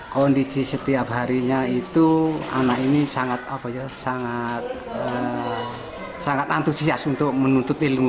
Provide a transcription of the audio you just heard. kondisi setiap harinya itu anak ini sangat antusias untuk menuntut ilmu